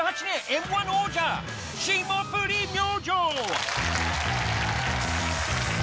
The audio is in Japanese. Ｍー１王者、霜降り明星。